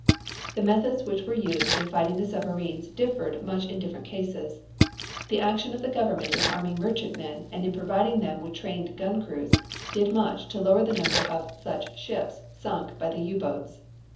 The methods which were used in fighting the submarines differed much in different cases. The action of the government in arming merchantmen and in providing them with trained gun crews did much to lower the number of such ships sunk by the U boats.